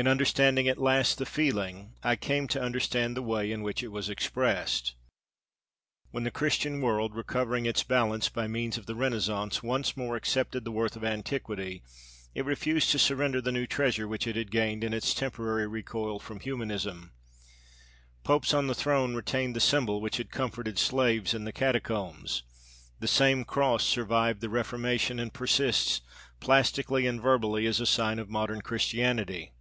In understanding, at last, the feeling, I came to understand the way in which it was expressed. When the Christian world, recovering its balance by means of the Renaissance, once more accepted the worth of antiquity, it refused to surrender the new treasure which it had gained in its temporary recoil from humanism. Popes on the throne retained the symbol which had comforted slaves in the Catacombs. The same cross survived the Reformation and persists, plastically and verbally, as the sign of modern Christianity.